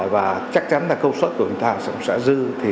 và chắc chắn là công suất của chúng ta sẽ